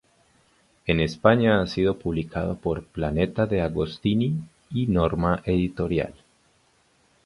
En España ha sido publicado por Planeta DeAgostini y Norma Editorial.